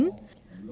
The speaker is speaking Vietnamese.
chú trọng bồi dưỡng